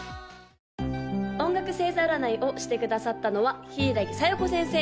・音楽星座占いをしてくださったのは柊小夜子先生！